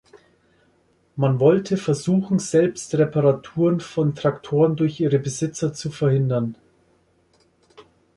Man wollte versuchen, Selbst-Reparaturen von Traktoren durch ihre Besitzer zu verhindern.